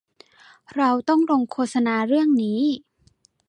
เราต้องลงโฆษณาเรื่องนี้